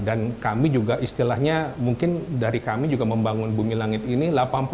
dan kami juga istilahnya mungkin dari kami juga membangun bumi langit ini